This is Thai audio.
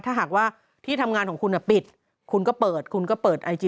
ถ้าหากว่าที่ทำงานของคุณปิดคุณก็เปิดคุณก็เปิดไอจี